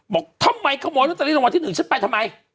บอกทำไมขโมยโรตเตอรี่รางวัลที่๑ฉันไปทำไม